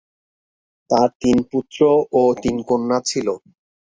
তার তিন পুত্র ও তিন কন্যা ছিল।